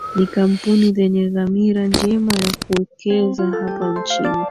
Ni kampuni zenye dhamira njema ya kuwekeza hapa nchini